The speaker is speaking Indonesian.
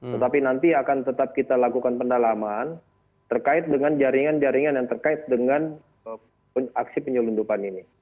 tetapi nanti akan tetap kita lakukan pendalaman terkait dengan jaringan jaringan yang terkait dengan aksi penyelundupan ini